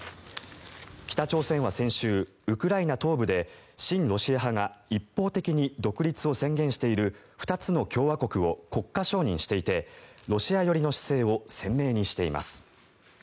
北朝鮮は先週、ウクライナ東部で親ロシア派が一方的に独立を宣言している２つの共和国を国家承認していてロシア寄りの姿勢を鮮明にしています。